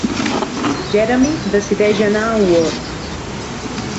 Jeremy decideix anar amb Worf.